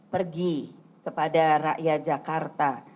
pergi kepada rakyat jakarta